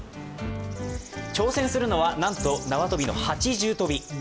挑戦するのは、なんと縄跳びの８重跳び。